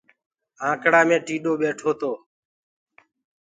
آنڪڙآ مي ٽيڏو ٻيٺو تو۔